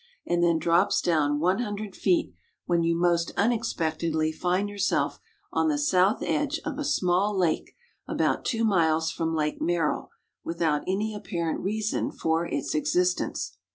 and then drops down 100 feet, when you most unexpectedly find yourself on the south edge of a small lake about two miles from Lake IMerrill, without any ai)i»arent reason for its existence.